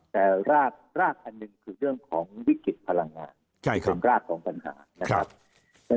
แต่รากอันหนึ่งคือเรื่องของวิกฤตพลังงานเป็นรากของปัญหานะครับ